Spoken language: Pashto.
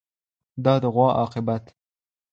د دې غوا عاقبت